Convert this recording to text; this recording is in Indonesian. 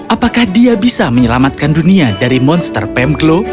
apakah dia bisa menyelamatkan dunia dari monster pemglo